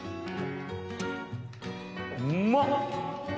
うまっ！